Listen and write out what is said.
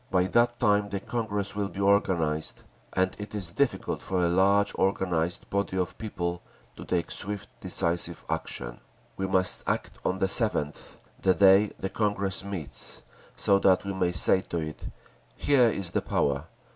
By that time the Congress will be organised, and it is difficult for a large organised body of people to take swift, decisive action. We must act on the 7th, the day the Congress meets, so that we may say to it, 'Here is the power!